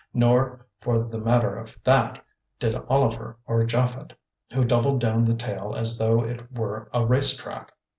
Nor, for the matter of that, did Oliver or Japhet, who doubled down the tail as though it were a race track.